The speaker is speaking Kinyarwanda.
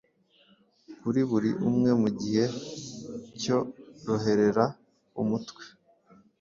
Kuri buri umwe mu igihe cyo roherera umutwe